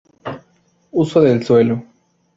Uso del Suelo.